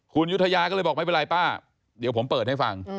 คุณยุธยาก็เลยบอกไม่เป็นไรป้าเดี๋ยวผมเปิดให้ฟัง